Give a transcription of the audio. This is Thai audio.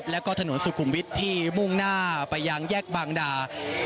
แล้วก็ถนนสุขุมวิทย์ที่มุ่งหน้าไปยังแยกบางดา